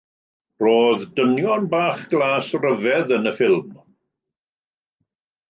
Roedd dynion bach glas rhyfedd yn y ffilm.